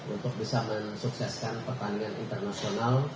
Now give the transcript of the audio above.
untuk bisa mensukseskan pertanian internasional